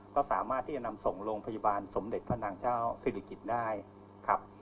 ก็สามารถที่จะนำส่งโรงพยาบาลสมเด็จพระนางเจ้าศิริกิจได้ครับ